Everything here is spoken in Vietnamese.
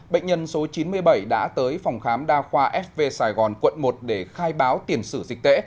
bệnh nhân số chín mươi bảy đã tới phòng khám đa khoa fv sài gòn quận một để khai báo tiền sử dịch tễ